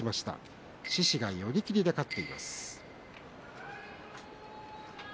獅司、寄り切りで勝っています。